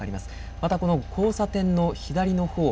また、この交差点の左の方